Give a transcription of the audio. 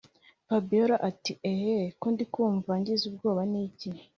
fabiora ati” eehh ko ndikumva ngize ubwoba niki